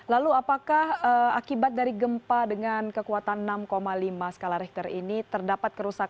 lalu apakah akibat dari gempa dengan kekuatan enam lima skala richter ini terdapat kerusakan